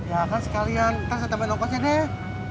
ya kan sekalian nanti saya tambahin lokasinya deh